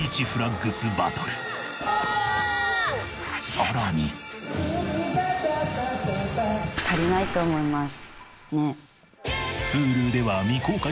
さらに足りないと思いますねっ。